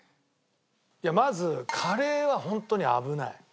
まずカレーはホントに危ない。